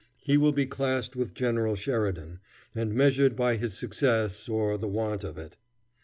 He will be classed with General Sheridan and measured by his success or the want of it.